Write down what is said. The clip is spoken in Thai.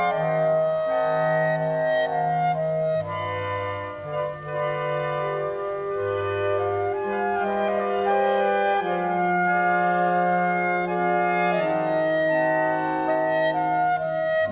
โปรดติดตามต่อไป